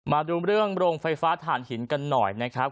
มาดูเรื่องโรงไฟฟ้าฐานหินกันหน่อยนะครับ